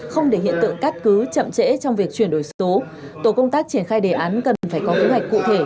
không để hiện tượng cắt cứ chậm trễ trong việc chuyển đổi số tổ công tác triển khai đề án cần phải có kế hoạch cụ thể